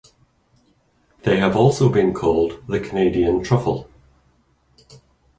They have also been called the "Canadian truffle".